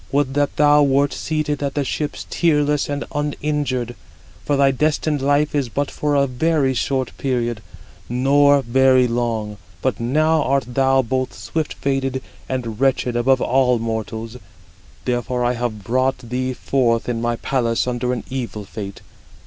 Would that thou wert seated at the ships tearless and uninjured; for thy destined life is but for a very short period, nor very long; but now art thou both swift fated and wretched above all mortals: therefore have I brought thee forth in my palace under an evil fate.